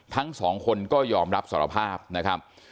ทั้งสองคนก็ยอมรับสารภาพนะครับ